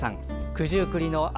九十九里の旭